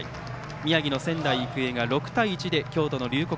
宮城の仙台育英が６対１で京都の龍谷